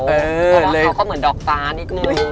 เพราะว่าเขาก็เหมือนดอกฟ้านิดนึง